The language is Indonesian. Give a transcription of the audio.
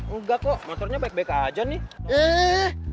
enggak kok motornya baik baik aja nih